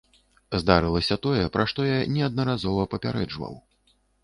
Здарылася тое, пра што я неаднаразова папярэджваў.